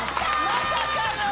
まさかの。